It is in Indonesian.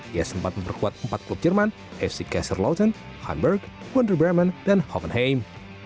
dia sempat memperkuat empat klub jerman fc kesseloten hamburg wunder bremen dan hockenheim